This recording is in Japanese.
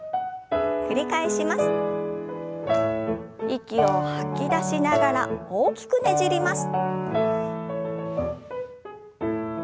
息を吐き出しながら大きくねじります。